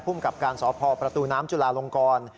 ผู้มกับการสอบพอประตูน้ำจุลาลงกร